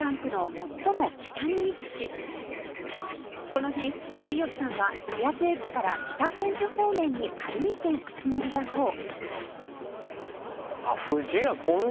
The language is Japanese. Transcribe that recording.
「この日有吉さんは綾瀬駅から北千住方面に歩いて行くつもりだそう」